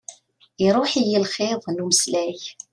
Iṛuḥ-iyi lxiḍ n umeslay.